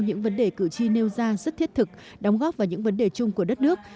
những vấn đề cử tri nêu ra rất thiết thực đóng góp vào những vấn đề chung của đất nước